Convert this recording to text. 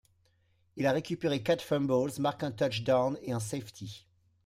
Il a récupéré quatre fumbles, marque un touchdown et un safety.